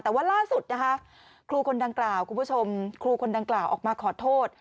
แต่ว่าล่าสุดนะคะครูคนดังกล่าวคุณผู้ชมครูคนดังกล่าวออกมาขอโทษ